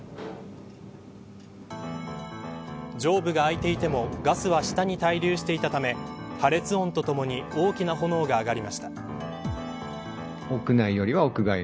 上部が開いていてもガスは下に滞留していたため破裂音とともに大きな炎が上がりました。